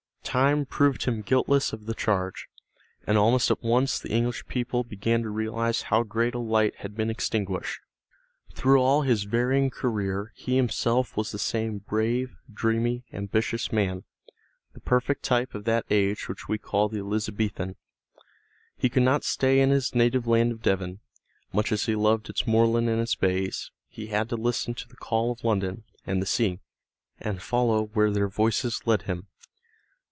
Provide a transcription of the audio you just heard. Time proved him guiltless of the charge, and almost at once the English people began to realize how great a light had been extinguished. Through all his varying career he himself was the same brave, dreamy, ambitious man, the perfect type of that age which we call the Elizabethan. He could not stay in his native land of Devon; much as he loved its moorland and its bays, he had to listen to the call of London and the sea, and follow where their voices led him.